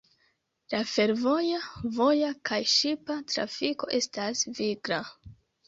La fervoja, voja kaj ŝipa trafiko estas vigla.